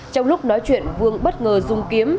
trong lúc nói chuyện vương bất ngờ dùng kiếm